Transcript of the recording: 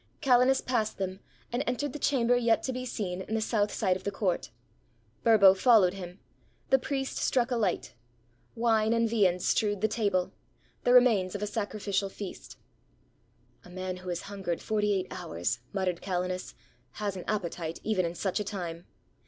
Calenus passed them, and entered the chamber yet to be seen in the south side of the court. Burbo followed him — the priest struck a light. Wine and viands strewed the table; the remains of a sacrificial feast. "A man who has hungered forty eight hours," mut tered Calenus, "has an appetite even in such a time."